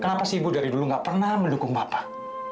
kenapa sih ibu dari dulu gak pernah mendukung bapak